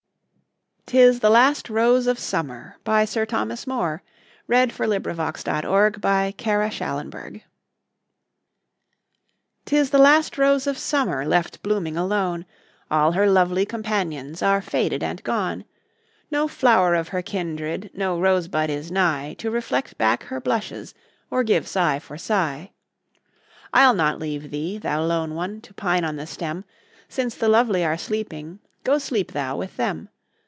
Privacy Policy Links to... ...other Poetry Sites Thomas Moore (1779 1852) 'TIS THE LAST ROSE OF SUMMER 'TIS the last rose of summer, Left blooming alone ; All her lovely companions Are faded and gone ; No flower of her kindred, No rose bud is nigh, To reflect back her blushes, Or give sigh for sigh. I'll not leave thee, thou lone one ! To pine on the stem ; Since the lovely are sleeping, Go sleep thou with them.